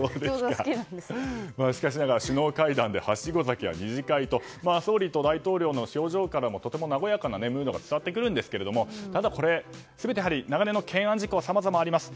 しかしながら首脳会談ではしご酒や２次会と総理と大統領の表情からもとても和やかなムードが伝わってくるんですがただ、全て長年の懸案事項がさまざまあります。